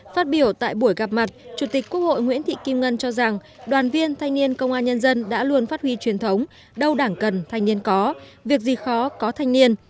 phát biểu tại buổi gặp mặt chủ tịch quốc hội nguyễn thị kim ngân cho rằng đoàn viên thanh niên công an nhân dân đã luôn phát huy truyền thống đâu đảng cần thanh niên có việc gì khó có thanh niên